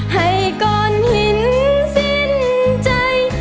ให้กรรหินสิ้นใจ